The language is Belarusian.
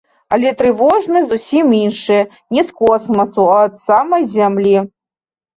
Але трывожнасць зусім іншая, не з космасу, а ад самай зямлі.